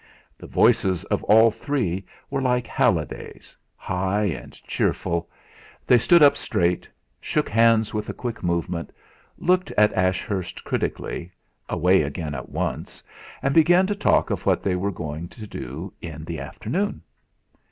The voices of all three were like Halliday's, high and cheerful; they stood up straight, shook hands with a quick movement, looked at Ashurst critically, away again at once, and began to talk of what they were going to do in the afternoon.